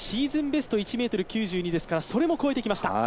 ベスト１ｍ９２ですからそれも越えてきました。